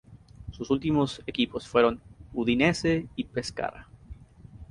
Sus últimos equipos fueron Udinese y Pescara.